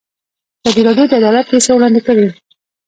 ازادي راډیو د عدالت کیسې وړاندې کړي.